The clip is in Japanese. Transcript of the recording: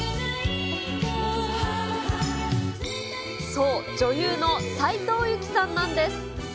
そう、女優の斉藤由貴さんなんです。